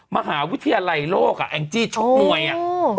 มหาวิทยาลัยโลกอ่ะแองจี้ชกมวยอ่ะ